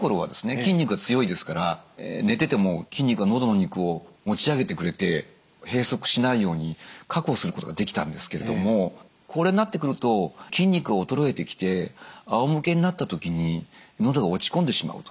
筋肉が強いですから寝てても筋肉がのどの肉を持ち上げてくれて閉塞しないように確保することができたんですけれども高齢になってくると筋肉が衰えてきてあおむけになった時にのどが落ち込んでしまうと。